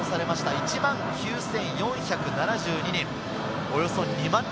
１万９４７２人。